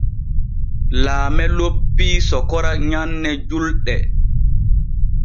Laame loppii sokora nyanne julɗe.